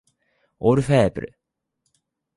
オルフェーヴル